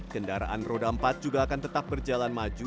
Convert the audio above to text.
kendaraan roda empat juga akan tetap berjalan maju